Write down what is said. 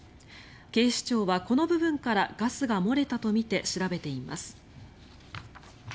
警視庁はこの部分からガスが漏れたとみて調べています。